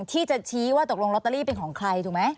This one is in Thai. ที่จะชี้ว่าตกลงลอตเตอรี่เป็นของใครถูกไหม